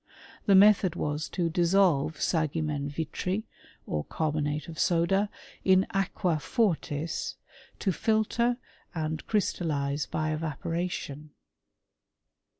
The method was to dissolve sagimen vitri, or carbonate of soda, ia aqua fortis, to filter and crystallize by evaporation.